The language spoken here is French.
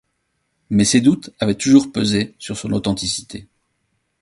Mais des doutes avaient toujours pesé sur son authenticité.